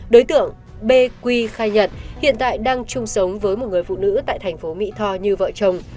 đối tượng b quy khai nhận hiện tại đang chung sống với một người phụ nữ tại thành phố mỹ tho như vợ chồng